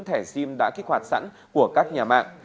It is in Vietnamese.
thẻ sim đã kích hoạt sẵn của các nhà mạng